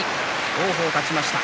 王鵬が勝ちました。